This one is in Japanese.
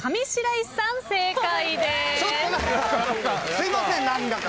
すいません何だか。